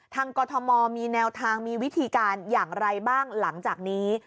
กรทมมีแนวทางมีวิธีการอย่างไรบ้างหลังจากนี้